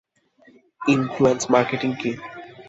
Influence marketing key?